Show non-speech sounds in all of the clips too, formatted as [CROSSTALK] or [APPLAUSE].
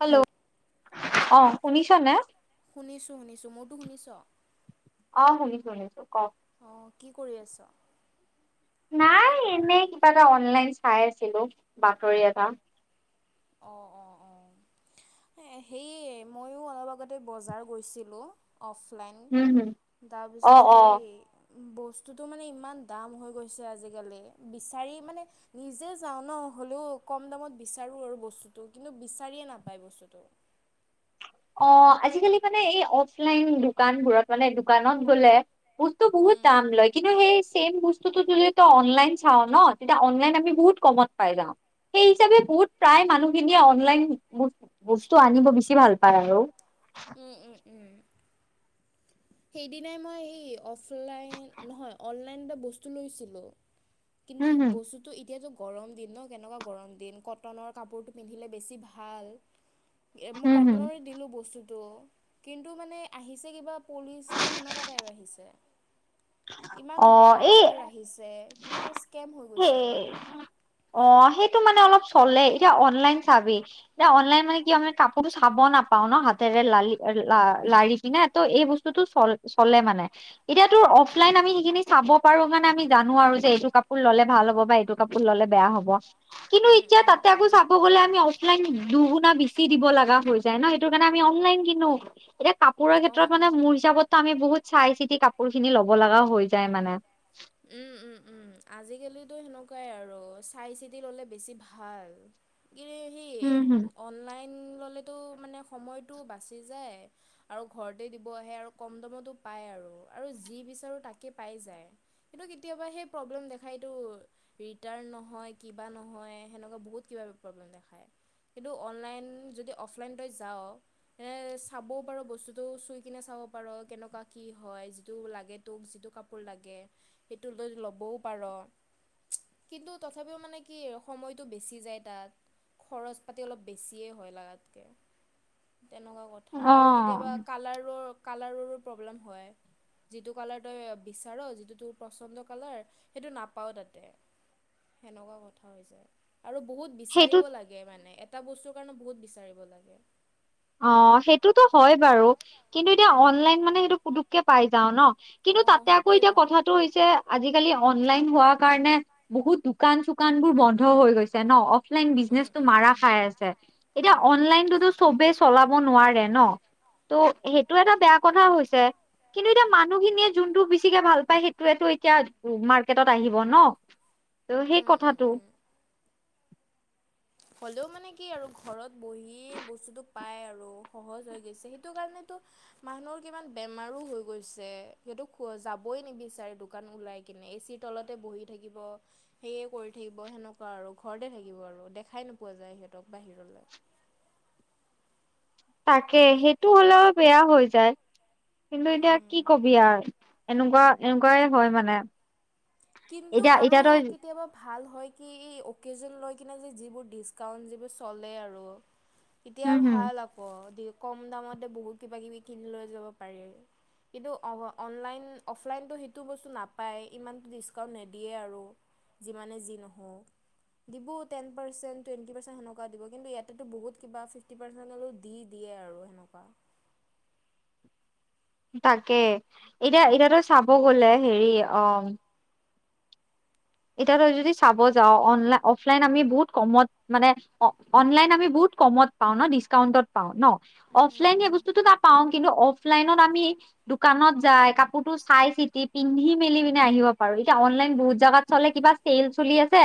Hello, অঁ শুনিছনে। শুনিছোঁ শুনিছোঁ মোৰটো শুনিছঁ। অঁ শুনিছো শুনিছো কওক। অঁ কি কৰি আছ? নাই এনেই কিবা এটা অনলাইন চাই আছিলো বাতৰি এটা। অঁ অঁ অঁ হে হেৰি ময়ো অলপ আগতে বজাৰ গৈছিলোঁ। অফলাইন, তাপিছত সেই বস্তুটো মানে ইমান দাম হৈ গৈছে আজিকালি, বিচাৰি মানে নিজে যাওঁ ন, হলোও কম দামত বিচাৰো আৰু। বস্তুটো, কিন্তু বিচাৰিয়ে নাপায় বস্তুটো অঁ, আজিকালি মানে এই অফলাইন দোকানবোৰত মানে দোকানত গলে মোক টো বহুত দাম লয়। কিন্তু সেই ছেম বস্তুতটো যদি তই অনলাইন চাও ন, তেতিয়া অনলাইন আমি বহুত কমত পাই যাওঁ। সেই হিচাপে বহুত প্ৰায় মানুহখিনিয়ে অনলাইন বস্তু আনিব বেছি ভাল পাওঁ আৰু। উম উম উম। সেইদিনাই মই এই অফলাইন নহয় অনলাইন পৰা বস্তু লৈছিলো। কিন্তু বস্ত টো এতিয়াতো গৰম দিন ন কেনেকুৱা গৰম দিন কটনৰ কাপোৰটো পিন্ধিলে বেছি ভাল। এ মই কটনৰে দিলো বস্তুতটো কিন্তু মানে আহিছে কিবা পলিষ্টাৰ সেনেকুৱা টাইপ আহিছে। ইমান বেয়া কাপোৰ আহিছে, মানে স্কেম হৈ গৈছে আৰু। অঁ, সেইটো মানে অলপ চলে, এতিয়া অনলাইন চাবি, যে অনলাইন মানে কি আমি কাপোৰ চাব নাপাওঁ ন হাতেৰে, লালি লা লাৰি কিনে, ত' এই বস্তুতটো চল চলে মানে, এতিয়া তো অফ লাইন আমি সেইখিনি চাব পাৰো মানে আমি জানো আৰু যে এইটো কাপোৰ ললে ভাল হ'ব বা এইটো কাপোৰ ললে বেয়া হ'ব। কিন্তু এতিয়া তাতে আকৌ চাব গলে আমি অফলাইন দুগুণনা বেছি দিব লগা হৈ যায় ন সেইটো কাৰণে আমি অনলাইন কিনো। এতিয়া কাপোৰৰ ক্ষেত্ৰত মানে মোৰ হিচাপতো আমি বহুত চাই চিতি কাপোৰ খিনি লব লগাও হৈ যায় মানে। উম উম উম আজিকালি তো সেনেকুৱাই আৰু চাই চিতি ললে বেছি ভাল। কি সেই অনলাইন ল'লেতো মানে সময়টো বাচি যায়। আৰু ঘৰতে দিব আহে আৰু কম দামতো পায় আৰু আৰু যি বিচাৰোঁ তাকে পাই যায়। সেইটো কেতিয়াবা সেই প্ৰব্লেম দেখাইটো ৰিটাৰ্ণ নহয় কিবা নহয় সেনেকুৱা বহুত কিবা প্ৰব্লেম দেখায়। কিন্তু অনলাইন, যদি অফলাইন তই যাৱ? এ চাবও পাৰ বস্তুটো। চুই কিনে চাব পাৰ। কেনেকুৱা, কি হয়। যিটো লাগে তোক। যিটো কাপোৰ কাপোৰ লাগে, সেইটো ল ল'বও পাৰ। কিন্তু তথাপিও মানে কি, সময়টো বেছি যায় তাত। খৰচ পাতি অলপ বেছিয়ে হয়, লাগাতকে। তেনেকুৱা কথ কথা আৰু কেতিয়াবা কালাৰৰ কালাৰৰো প্ৰব্লেম হয়। যিটো কালাৰ তই বিচাৰ, যিটো তোৰ পচন্দ কালাৰ, সেইটো নাপাৱ তাতে। সেনেকুৱা কথা হৈ যায়। আৰু বহুত বিচাৰিব লাগে মানে। এটা বস্তুৰ কাৰণে বহুত বিচাৰিব লাগে। অঁহ, সেইটোতো হয় বাৰু। কিন্তু এতিয়া অনলাইন মানে, সেইটো পুতু কে পাই যাওঁ ন। কিন্তু তাতে আকৌ, এতিয়া কথাটো হৈছে -আজিকালি অনলাইন হোৱা কাৰণে বহুত দোকান -চোকানবোৰ বন্ধ হৈ গৈছে ন। অ অফলাইন বিজনেচটো মাৰা খাই আছে। এতিয়া, অনলাইনটোতো চবেই চলাব নোৱাৰে ন। ত' সেইটো এটা বেয়া কথা হৈছে। কিন্তু এতিয়া মানুহখিনিয়ে যোনটো বেছিকে ভাল পায়, সেইটোৱেতো এতিয়া উ মাৰ্কেটত আহিব ন। [INAUDIBLE] ত' সেই কথাটো হ'লেও মানে কি আৰু, ঘৰত বহিয়ে বস্তুটো পাই আৰু। সহজ হৈ গৈছে। সেইটো কাৰণেতো মানুহৰ কিমান বেমাৰো হৈ গৈছে। সেইতো খ' যাবই নিবিচাৰে, দোকান ওলাই কিনে। এচিৰ তলতে বহি থাকিব। সেইয়ে কৰি থাকিব। সেনেকুৱা আৰু। ঘৰতে থাকিব আৰু। দে -খাই নোপোৱা যায়, সিহঁতক বাহিৰলে। তাকেহ। হেইটো হ'লেও বেয়া হৈ যায়। কিন্তু এতিয়া কি ক'বি আও। এনেকুৱা, এনেকুৱাই হয় মানে। কিন্তু, আৰু কি কেতিয়াবা ভাল হয় কি- অ'কেজন লৈ কিনে যে, যিবোৰ ডিচকাউণ্ট যিবোৰ চলে আৰু। তেতিয়া ভাল আকৌ। দি, কম দামতে বহুত কিবাকিবি কিনি লৈ যাব পাৰি। কিন্তু অব, অনলাইন, অফলাইনতো সেইটো বস্তু নাপায়। ইমানটো ডিচকাউণ্ট নিদিয়ে আৰু। যিমানে যি নহওঁক। দিব, টেনপাৰ্চেন্ট, টুৱেণ্টিপাৰ্চেণ্ট সেনেকুৱা দিব। কিন্তু ইয়াতেটো বহুত কিবা ফিফটিপাৰ্চেণ্টনলৈও দি দিয়ে আৰু, সেনেকুৱা। তাকে, এতিয়া -এতিয়া তই চাব গলে, হেৰি অঁহ এতিয়া তই যদি চাব যাৱ, অনলাইন- অফলাইন আমি বহুত কমত মানে অ' অনলাইন আমি বহুত কমত পাওঁ ন। ডিচকাউন্টত পাওঁ ন। অফলাইন সেই বস্তুতো নাপাওঁ। কিন্তু অফলাইনত আমি দোকানত যাই, কাপোৰতো চাই-চিতি, পিন্ধি-মেলি পিনে আহিব পাৰোঁ। এতিয়া অনলাইন বহুত জাগাত চলে, কিবা ছেল চলি আছে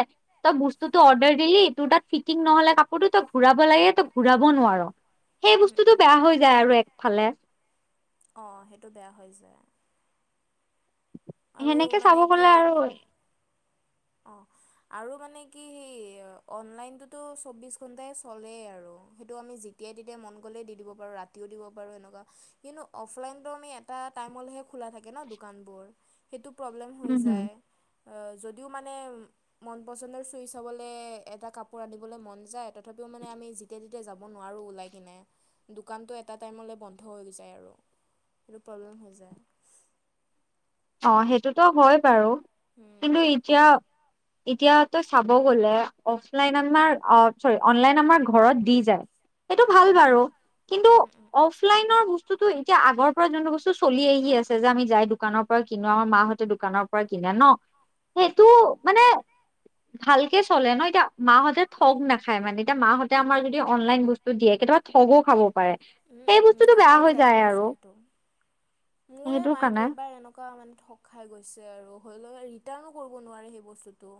তই বস্তুটো অৰ্ডাৰ দিলি। তোৰ তাত ফিটিং নহ'লে কাপোৰতো, তই ঘূৰাব লাগে। তই ঘূৰাব নোৱাৰ। সেই বস্তুটো বেয়া হৈ যায় আৰু একফালে। অ'হ। সেইটো বেয়া হৈ যায়। সেনেকে চাব গ'লে আৰু অহ। আৰু মানে কি সেই, অনলাইনটোতো চৌবিশ ঘণ্টাই চলে আৰু। সেইটো আমি যি তিয়াই-তেতিয়াই মন গ'লেই দি দিব পাৰোঁ। ৰাতিও দিব পাৰোঁ, এনেকুৱা। কিন্তু অফলাইনতো আমি এটা টাইমলৈহে খোলা থাকে ন! দোকানবোৰ। সেইটো প্ৰব্লেম হৈ যায়। অ', যদিওঁ মানে মন পছন্দৰ চুয়চ হ'বলে এটা কাপোৰ আনিবলে মন যায় তথাপিও মানে আমি যি তিয়াই-তেতিয়াই যাব নোৱাৰোঁ ওলাই কিনে, দোকানটো এটা টাইমলৈ বন্ধ হৈ যায় আৰু। সেইটো প্ৰব্লেম হৈ যায়। অহ, সেইটোতো হয় বাৰু কিন্তু এতিয়া এতিয়া তই চাব গ'লে, অফলাইন আমাৰ অ' চৰী, অনলাইন আমাৰ ঘৰত দি যায়। সেইটো ভাল বাৰু। কিন্তু অফলাইনৰ বস্তুটো এতিয়া আগৰ পৰাই যোনটো বস্তু চলি‌ আহি আছে যে আমি যায় দোকানৰ পৰা কিনো, আমাৰ মাহঁতে দোকানৰ পৰা কিনে ন সেইটো মানে ভালকে চলে ন এতিয়া মাহঁতে ঠগ নেখায় মানে এতিয়া মাহঁতে আমাৰ যদি অনলাইন বস টো দিয়ে, কেতিয়াবা ঠগো খাব পাৰে সেই বস্তুটো বেয়া হৈ যায় আৰু। মোৰে মাইক একবাৰ এন কুৱা মানে ঠগ খাই গৈছে আৰু হ'লেও ৰিটাৰ্ণো কৰিব নোৱাৰে সেই বস্তুটো।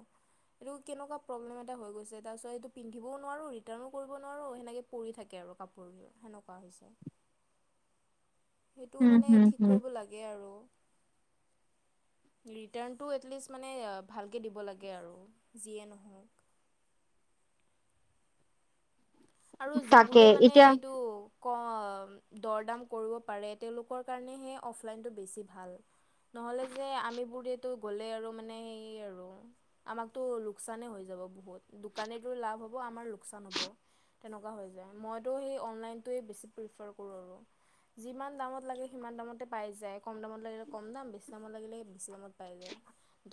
এইটো কেনেকুৱা প্ৰব্লেম এটা হৈ গৈছে তাৰ পিছত এইটো পিন্ধিবও নোৱাৰোঁ, ৰিটাৰ্ণো কৰিব নোৱাৰোঁ সেনেকে পৰি থাকে আৰু কাপোৰবোৰ সেনেকুৱা হৈছে। সেইটো মানে ঠিক কৰিব লাগে আৰু। ৰিটাৰ্ণটো এটলিষ্ট মানে আ ভালকে দিব লাগে আৰু যিয়ে নহওক। আৰু যিবোৰে মানে এইটো ক'ম, দৰ দাম কৰিব পাৰে তেওঁলোকৰ কাৰণেহে অফলাইনটো বেছি ভাল। নহ'লে যে আমিবোৰেটো গ'লে আৰু মানে সেইয়ে আৰু। আমাকতো লোকচানে হৈ যাব বহুত, দোকানীৰতো লাভ হ'ব, আমাৰ লোকচান হ'ব। তেনেকুৱা হৈ যায়। মইতো সেই অনলাইনটোৱে বেছি প্ৰিফাৰ কৰোঁ আৰু। যিমান দামত লাগে, সিমান দামতে পাই যায়। কম দামত লাগিলে কম দাম, বেছি দামত লাগিলে বেছি দামত পাই যায়।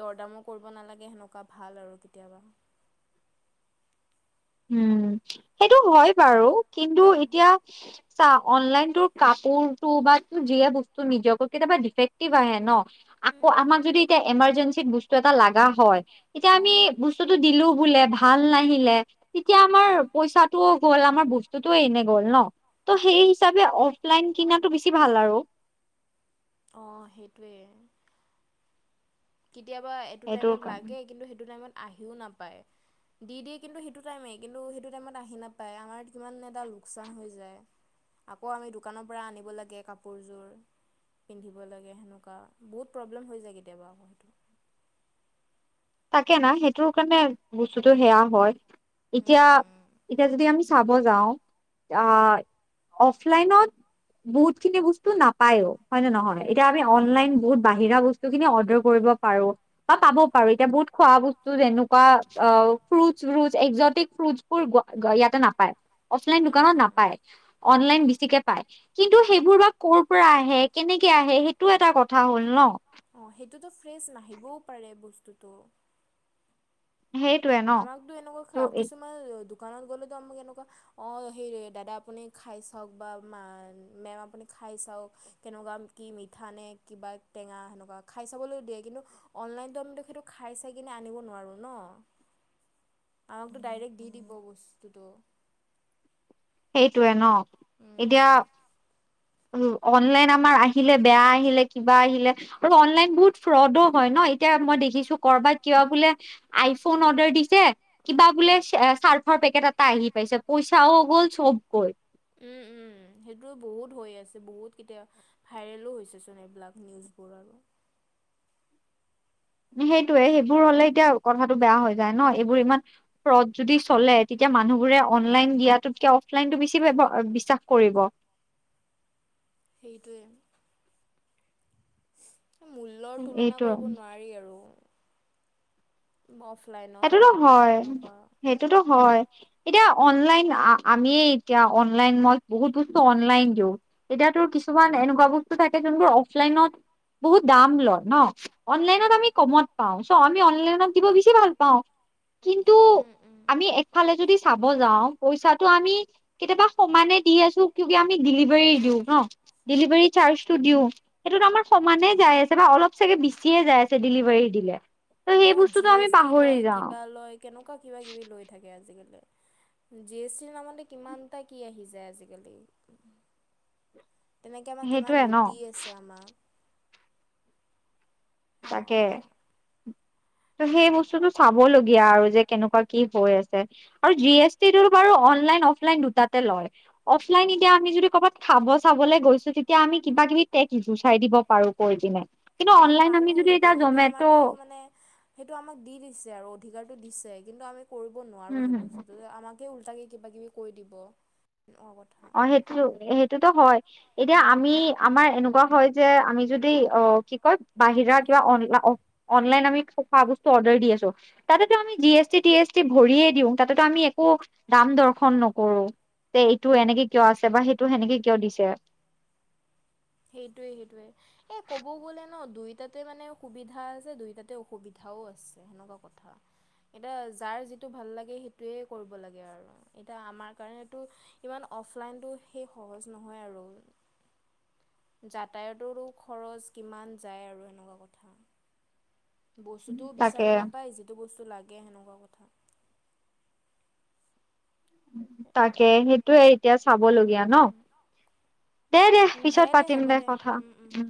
দৰ দামো কৰিব নালাগে সেনেকুৱা ভাল আৰু কেতিয়াবা। উম, সেইটো হয় বাৰু কিন্তু এতিয়া চাওক, অনলাইনতোৰ কাপোৰটো বা টু যিয়ে বস্তু নিজকক কেতিয়াবা ডিফেক্টিভ আহে ন। আকৌ আমাক যদি এতিয়া এমাৰজেঞ্চিত বস্তু এটা লাগা হয় তেতিয়া আমি বস্তু টো দিলো বোলে, ভাল নাহিলে তেতিয়া আমাৰ পইচাটোও গ'ল আমাৰ বস ততো এনে গ'ল ন, ত' সেই হিচাপে অফলাইন কিনাটো বেছি ভাল আৰু। অঁ সেইটোৱে। কেতিয়াবা এইটো টাইমত লাগে কিন্তু সেইটো টাইমত আহিও নাপায়। দি দিয়ে কিন্তু সেইটো টাইমেই কিন্তু সেইটো টাইমত আহি নাপায়, আমাৰ কিমান এটা লোকচান হৈ যায়। আকৌ আমি দোকানৰ পৰা আনিব লাগে কাপোৰযোৰ। পিন্ধিব লাগে সেনেকুৱা, বহুত প্ৰব্লেম হৈ যায় কেতিয়াবা আকৌ সেইটো। তাকে না সেইটোৰ কাৰণে বস্তুটো সেয়া হয় এতিয়া, এতিয়া যদি আমি চাব যাওঁ আহ অফলাইনত বহুতখিনি বস্তু নাপায় হয় নে নহয়? এতিয়া আমি অনলাইন বহুত বাহিৰা বস্তুখিনি অৰ্ডাৰ কৰিব পাৰো বা পাব পাৰো এ তিয়া বহুত খোৱা বস্তু যেনেকুৱা অ ফ্ৰুটচ ব্ৰোটচ যে একজটিক ফ্ৰুটছবোৰ গুৱা ইয়াতে নাপায়। অফলাইন দোকানত নাপায়, অনলাইন বেছিকে পায়। কিন্তু সেইবোৰ বা কৰ' পৰা আহে, কেনেকে আহে সেইটো এটা কথা হ'ল ন। অ সেইটোতো ফ্ৰেছ নাহিবও পাৰে বস্তুটো। সেই আমাকতো এনেকুৱা খা, কিছুমান দোকানত গ'লেতো আমাক এনেকুৱা অঁ সেইৰি দাদা আপুনি খাই চাওক বা মা মেম আপুনি খাই চাওক কেনেকুৱা কি মিঠা নে কিবা টেঙা, সেনেকুৱা খাই চাবলৈ দিয়ে কিন্তু অনলাইনত আমিতো সেইটো খাই চাই কিনে আনিব নোৱাৰোঁ ন'! আমাকতো ডাইৰেক্ট দি দিব বস্তুটো। সেইটয়ে ন' এতিয়া অনলাইন আমাৰ আহিলে বেয়া আহিলে কিবা আহিলে আৰু অনলাইন বহুত ফ্ৰডো হয় ন' এতিয়া মই দেখিছো কৰবাত কিবা বোলে আইফোন অৰ্ডাৰ দিছে। কিবা বোলে চাৰ্ফৰ পেকেট এটা আহি পাইছে, পইচাও গ'ল চব গ'ল। উম, উম। সেইটো বহুত হৈ আছে বহুত কেতিয়া ভাইৰেলো হৈছেচোন এইবিলাক নিউজবোৰ আৰু। সেইটোয়ে সেইবোৰ হলে এতিয়া কথাটো বেয়া হৈ যায় ন' এইবোৰ ইমান ফ্ৰদ যদি চলে, তেতিয়া মানুহবোৰে অনলাইন দিয়াতকে অফলাইনতো বেছি বিশ্বাস কৰিব। সেইটোৱে। মূল্যৰ তুলনা কৰিব নোৱাৰি আৰু অফলাইন সেইটোতো হয়, সেইটোতো হয়, এতিয়া অনলাইন আমি এতিয়া অনলাইন মই বহুত বস্তু অনলাইন দিও। এতিয়াতো কিছুমান এনেকুৱা বস্তু থাকে যোনবোৰ অফলাইনত বহুত দাম লয় ন' অনলাইনত আমি কমত পাও চ' আমি অনলাইনত দিব বেছি ভাল পাওঁ কিন্তু, আমি এফালে যদি চাব যাওঁ পইচাটো আমি কেতিয়াবা সমানে দি আছো, কি আমি ডেলিভাৰী দিও ন' ডেলিভাৰী চাৰ্জটো দিও। সেইটোতো আমাৰ সমানে যাই আছে, বা অলপ চাগে বেচিয়ে যাই আছে ডেলিভাৰী দিলে। অ', জি এছ টি লয় কিবা লয়, কেনেকুৱা কিবা কিবি লৈ থাকে আজিকালি। জি এছ টিৰ নামতে কিমানটা কি আহি যায় আজিকালি। তেনেকে আমাক কিমান লুটি আছে আমাক। তাকে। ত' সেই বস্তুতটো চাবলগীয়া আৰু যে, কেনেকুৱা কি হৈ আছে আৰু জি এচ টি টোতো বাৰু অনলাইন অফলাইন দুটাতে লয়। অফলাইন এতিয়া আমি যদি কৰ'বাত খাব চাবলৈ গৈছো, তেতিয়া আমি কিবািবি টেক্ গুচাই দিব পাৰোঁ। কৈ কিনে কিন্তু, অনলাইন আমি সেইটো সেইটো আমাৰতো মানে সেইটো আমাক দি দিছে, আৰু অধিকাৰটো দিছে কিন্তু আমি কৰিব নোৱাৰো সেই বস্তুটো যে, আমাকে উলতাকে কিবা কিবি কৈ দিব। অ', সেইটো সেইটোতো হয়, এতিয়া আমি আমাৰ এনেকুৱা হয় যে, আমি যদি অ', কি কয় বাহিৰা কিবা অনলাইন আমি খোৱা বস্তু অৰ্ডাৰ দি আছোঁ। তাতেতো আমি G S T T S T ভৰিয়ে দিওঁ তাতেতো আম একো ৰাম দৰ্শন নকৰো যে, এইটো এনেকে কিয় আছে বা সেইটো সেনেকে কিয় দিছে। সেইটোৱে সেইটোৱে। এ ক'ব গ'লে ন' দুইটাতে মানে সুবিধা আছে, দুইটাতে অসুবিধাও আছে সেনেকুৱা কথা। এতিয়া যাৰ যিটো ভাল লাগে সেইটোৱেই কৰিব লাগে আৰু এতিয়া আমাৰ কাৰণেতো ইমান অফলাইনটো সেই সহজ নহয় আৰু। যাতায়তৰো খৰচ কিমান যায় আৰু এনেকুৱা কথা। বস্তুটোও বিচাৰি নাপায় যিটো বস্তু লাগে সেনেকুৱা কথা। তাকে সেইটোয়ে এতিয়া চাবলগীয়া ন'! দে দে পিছত পাতিম দে কথা উম।